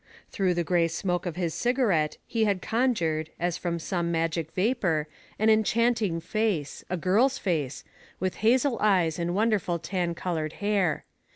Through the gray smoke of his cigarette he had conjured, as from some magic vapor, an enchanting face — a girl's face — with hazel eyes and wonderful tan colored hair.